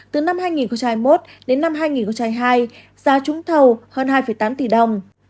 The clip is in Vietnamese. từ năm hai nghìn một đến năm hai nghìn hai giá trúng thầu hơn hai tám tỷ đồng